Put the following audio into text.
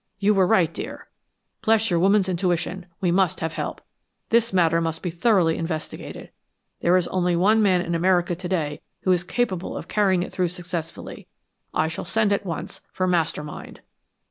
You were right, dear, bless your woman's intuition; we must have help. This matter must be thoroughly investigated. There is only one man in America to day, who is capable of carrying it through, successfully. I shall send at once for the Master Mind."